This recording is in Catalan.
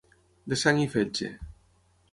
De sang i fetge.